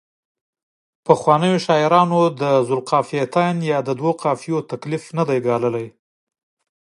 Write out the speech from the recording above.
پخوانیو شاعرانو د ذوقافیتین تکلیف نه دی ګاللی.